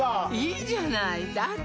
いいじゃないだって